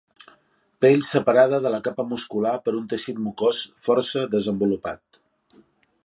Pell separada de la capa muscular per un teixit mucós força desenvolupat.